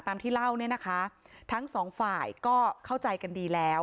ที่เล่าเนี่ยนะคะทั้งสองฝ่ายก็เข้าใจกันดีแล้ว